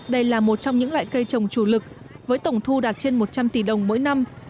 đây là một trong những loại cây trồng chủ lực với tổng thu đạt trên một trăm linh tỷ đồng mỗi năm